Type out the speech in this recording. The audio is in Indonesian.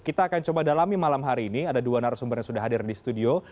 kita akan coba dalami malam hari ini ada dua narasumber yang sudah hadir di studio